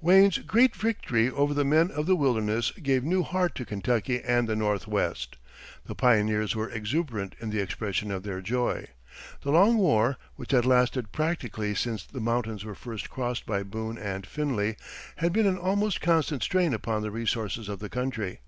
Wayne's great victory over the men of the wilderness gave new heart to Kentucky and the Northwest. The pioneers were exuberant in the expression of their joy. The long war, which had lasted practically since the mountains were first crossed by Boone and Finley, had been an almost constant strain upon the resources of the country.